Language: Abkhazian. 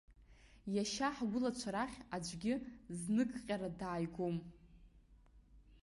Иашьа ҳгәылацәа рахь аӡәгьы зныкҟьара дааигом.